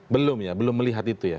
belum ya belum melihat itu ya